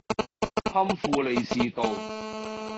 堪富利士道